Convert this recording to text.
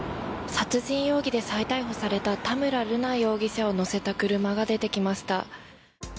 殺人容疑で再逮捕された田村瑠奈容疑者を乗せた車が出てきました。